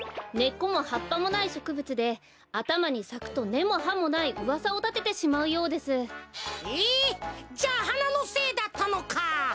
根っこも葉っぱもないしょくぶつであたまにさくと根も葉もないうわさをたててしまうようです。え！じゃあはなのせいだったのか。